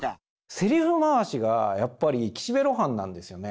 セリフ回しがやっぱり岸辺露伴なんですよね。